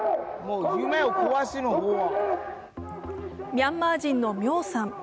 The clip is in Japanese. ミャンマー人のミョーさん。